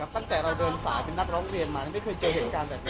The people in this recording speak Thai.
ตั้งแต่เราเดินสายเป็นนักร้องเรียนมาไม่เคยเจอเหตุการณ์แบบนี้